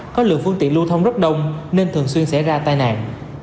có lượng phương tiện lưu thông rất đông nên thường xuyên xảy ra tai nạn